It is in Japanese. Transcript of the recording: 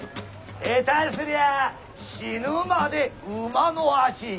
下手すりゃ死ぬまで馬の足。